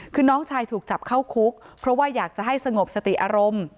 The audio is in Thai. คือน้องชายถูกจับเข้าคุกเพราะว่าอยากจะให้สงบสติอารมณ์